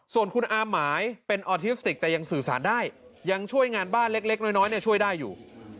ส่วนคุณอาหมายเป็นออทิสติกแต่ยังสื่อสารได้ยังช่วยงานบ้านเล็กน้อยช่วยได้อยู่